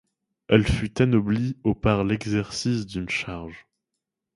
Elle fut anoblie au par l'exercice d'une charge.